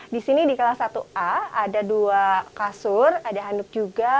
di sini di kelas satu a ada dua kasur ada handuk juga